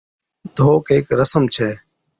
ڌوڪ ھيڪ رسم ڇَي